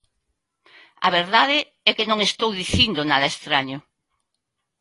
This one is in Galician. A verdade é que non estou dicindo nada estraño.